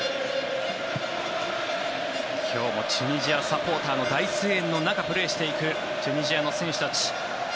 今日もチュニジアサポーターの大声援の中、プレーをしていくチュニジアの選手たち。